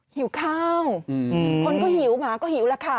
หิวข้าวคนก็หิวหมาก็หิวแล้วค่ะ